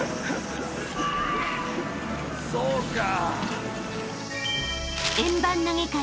そうか！